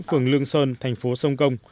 phường lương sơn thành phố sông công